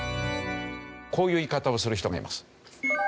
こういう言い方をする人がいます。